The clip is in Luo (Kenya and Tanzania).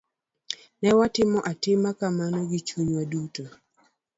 Ne watemo timo kamano gi chunywa duto.